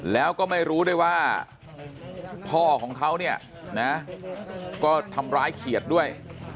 แล้วก็ไม่รู้ด้วยว่าพ่อของเขาเนี่ยนะก็ทำร้ายเขียดด้วย